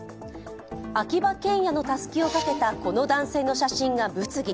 秋葉けんやのたすきをかけたこの男性の写真が物議。